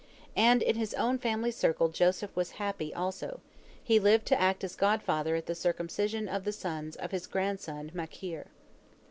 And in his own family circle Joseph was happy also; he lived to act as godfather at the circumcision of the sons of his grandson Machir.